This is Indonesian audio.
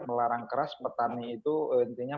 melarang keras petani itu intinya